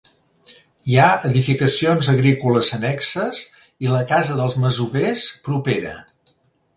Hi ha edificacions agrícoles annexes i la casa dels masovers propera.